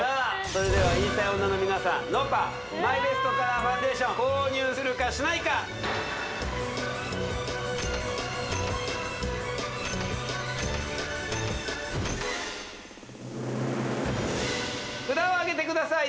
それでは言いたい女の皆さんｎｏｐａマイベストカラーファンデーション購入するかしないか札をあげてください